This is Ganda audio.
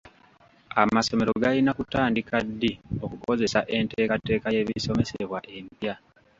Amasomero galina kutandika ddi okukozesa enteekateeka y'ebisomesebwa empya?